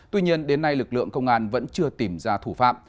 tuy nhiên đến nay lực lượng công an vẫn chưa tìm ra thủ phạm